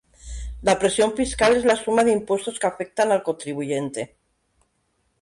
La presión fiscal es la suma de impuestos que afectan al contribuyente.